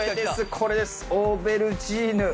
これですオーベルジーヌ。